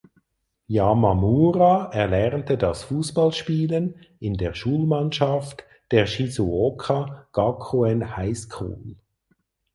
Yamamura erlernte das Fußballspielen in der Schulmannschaft der "Shizuoka Gakuen High School".